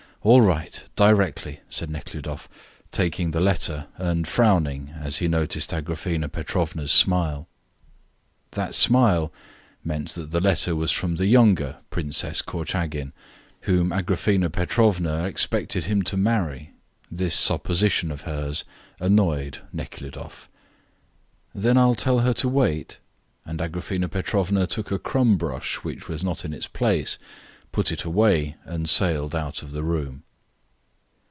"All right! Directly!" said Nekhludoff, taking the letter and frowning as he noticed Agraphena Petrovna's smile. That smile meant that the letter was from the younger Princess Korchagin, whom Agraphena Petrovna expected him to marry. This supposition of hers annoyed Nekhludoff. "Then I'll tell her to wait?" and Agraphena Petrovna took a crumb brush which was not in its place, put it away, and sailed out of the room.